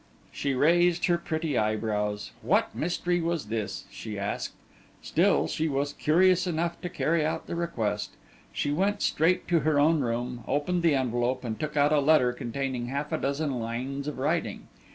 She raised her pretty eyebrows. What mystery was this? she asked. Still, she was curious enough to carry out the request. She went straight to her own room, opened the envelope, and took out a letter containing half a dozen lines of writing.